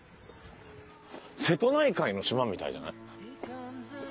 瀬戸内海の島みたいじゃない？